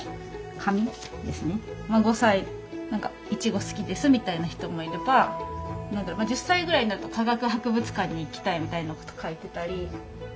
５歳何かいちご好きですみたいな人もいれば１０歳ぐらいなると「化学博物館に行きたい」みたいなこと書いてたり。